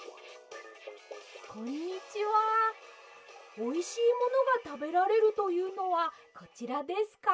おいしいものがたべられるというのはこちらですか？」。